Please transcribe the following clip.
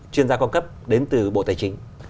chuyên gia quang cấp đến từ bộ tài chính